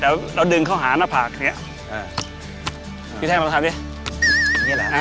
แล้วเราดึงเข้าหาหน้าผากเนี้ยอ่าพี่แทนเราทำดิอันนี้แหละ